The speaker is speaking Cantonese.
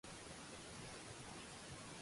蓮蓉水晶包